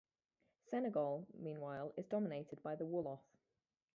Senegal, meanwhile, is dominated by the Wolof.